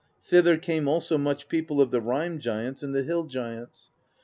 Thither came also much people of the Rime Giants and the Hill Giants.